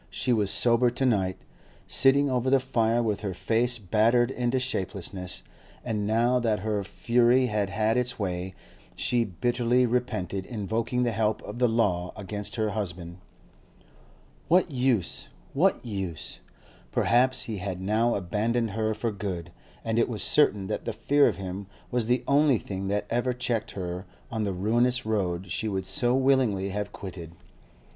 She was sober to night, sitting over the fire with her face battered into shapelessness; and now that her fury had had its way, she bitterly repented invoking the help of the law against her husband. What use? what use? Perhaps he had now abandoned her for good, and it was certain that the fear of him was the only thing that ever checked her on the ruinous road she would so willingly have quitted.